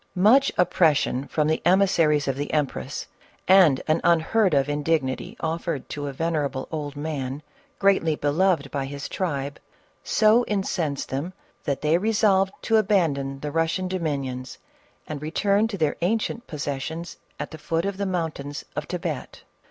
Much oppression from the emissaries of the empress and an unheard of indignity offered to a. ven erable old man, greatly beloved by his tribe, so in censed them that they resolved to abandon the Eus gian dominions and return to their ancient possessions at the foot of the mountains of Thibet.